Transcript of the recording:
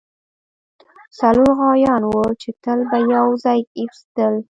څلور غوایان وو چې تل به یو ځای اوسیدل.